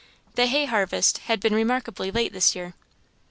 The hay harvest had been remarkably late this year.